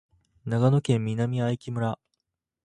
長野県南相木村